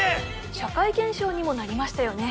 社会現象にもなりましたよね